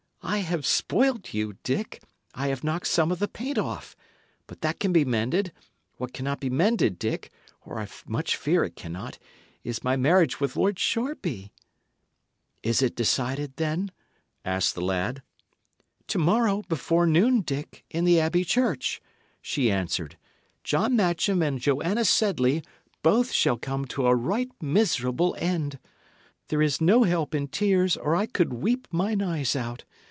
"I have spoilt you, Dick! I have knocked some of the paint off. But that can be mended. What cannot be mended, Dick or I much fear it cannot! is my marriage with Lord Shoreby." "Is it decided, then?" asked the lad. "To morrow, before noon, Dick, in the abbey church," she answered, "John Matcham and Joanna Sedley both shall come to a right miserable end. There is no help in tears, or I could weep mine eyes out.